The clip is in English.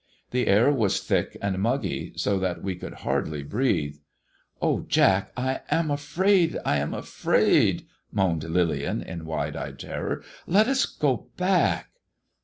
The air was thick and muggy, so thai we could hardly breathe. " Oh, Jack, I am afraid — I am afraid," moaned Lillian in wide eyed terror ;" let us go back."